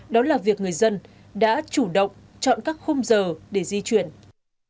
đó là việc người dân đã chủ động chọn các khung giờ để di chuyển vào thủ đô